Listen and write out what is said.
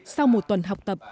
sau một tuần học tập